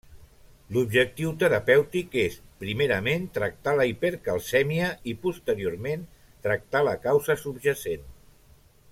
L'objectiu terapèutic és primerament tractar la hipercalcèmia i posteriorment tractar la causa subjacent.